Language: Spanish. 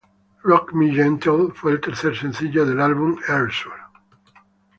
Rock Me Gently fue el tercer sencillo del álbum Erasure.